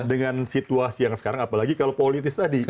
dengan situasi yang sekarang apalagi kalau politis tadi